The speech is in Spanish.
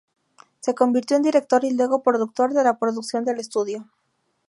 Se convirtió en director y luego productor de la producción del estudio.